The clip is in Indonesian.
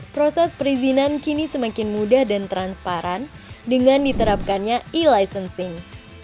proses perizinan kini semakin mudah dan transparan dengan diterapkannya e licensing